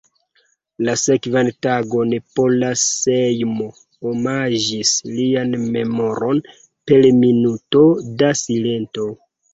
La sekvan tagon Pola Sejmo omaĝis lian memoron per minuto da silento.